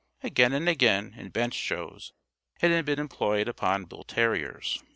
Again and again in bench shows, it had been employed upon bull terriers.